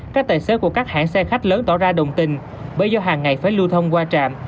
các tài xế của các hãng xe khách lớn tỏ ra đồng tình bởi do hàng ngày phải lưu thông qua trạm